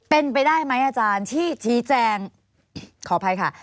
เป็นไปได้ไหมอาจารย์ที่ชี้แจงขออภัยค่ะ